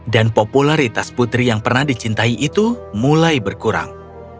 dan popularitas putri yang pernah dicintai mulai berkurang